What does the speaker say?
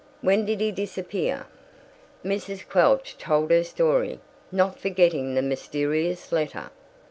When did he disappear?" Mrs. Quelch told her story, not forgetting the mysterious letter.